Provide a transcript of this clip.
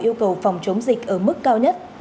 yêu cầu phòng chống dịch ở mức cao nhất